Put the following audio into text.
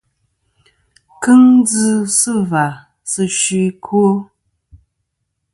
Kɨŋ dzɨ sɨ và sɨ fsi ɨkwo.